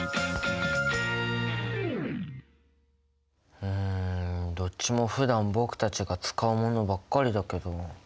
うんどっちもふだん僕たちが使うものばっかりだけど。